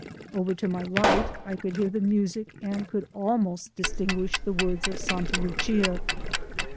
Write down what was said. Over to my right I could hear the music and could almost distinguish the words of "Santa Lucia."